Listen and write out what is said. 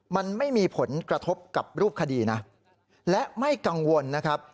มันไม่มีผลกระทบกับรูปคดีนะและไม่กังวลนะครับ